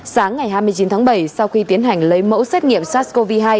sáng ngày hai mươi chín tháng bảy sau khi tiến hành lấy mẫu xét nghiệm sars cov hai